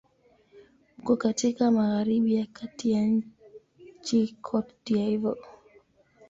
Uko katika magharibi ya kati ya nchi Cote d'Ivoire.